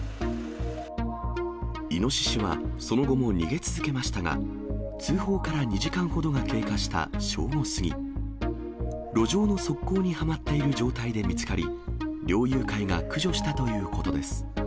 イノシシは、その後も逃げ続けましたが、通報から２時間ほどが経過した正午過ぎ、路上の側溝にはまっている状態で見つかり、猟友会が駆除したということです。